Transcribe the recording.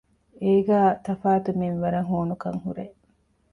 އޭގައި ތަފާތު މިންވަރަށް ހޫނުކަން ހުރޭ